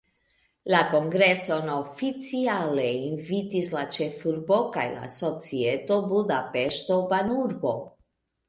La kongreson oficiale invitis la ĉefurbo kaj la Societo Budapeŝto-Banurbo.